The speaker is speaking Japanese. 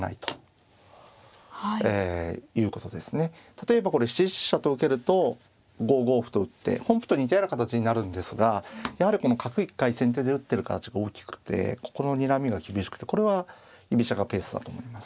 例えばこれ７七飛車と受けると５五歩と打って本譜と似たような形になるんですがやはりこの角一回先手で打ってる形が大きくてここのにらみが厳しくてこれは居飛車がペースだと思います。